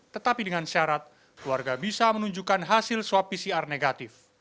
tetapi dengan syarat keluarga bisa menunjukkan hasil swab pcr negatif